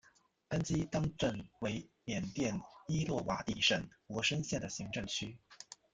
甘基当镇为缅甸伊洛瓦底省勃生县的行政区。